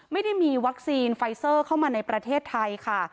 ไม่ได้มีวัคซีนไฟเซอร์เข้ามาในประเทศไทยค่ะ